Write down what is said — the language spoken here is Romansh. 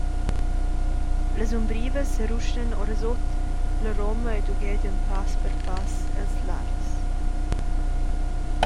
Las umbrivas seruschnan orasut la roma ed ughegian pass per pass els lartgs.